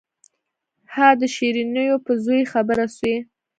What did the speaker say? ها د شيرينو په زوى خبره سوې.